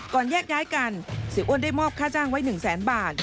แยกย้ายกันเสียอ้วนได้มอบค่าจ้างไว้๑แสนบาท